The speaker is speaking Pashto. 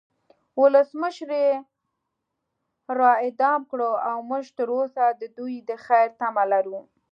ولسمشر یی را اعدام کړو او مونږ تروسه د دوی د خیر تمه لرو